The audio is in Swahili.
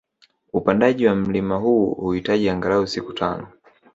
Upandaji wa mlima huu huhitaji angalau siku tano